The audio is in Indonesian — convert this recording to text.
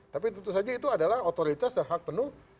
tapi tentu saja itu adalah otoritas dan hak penuh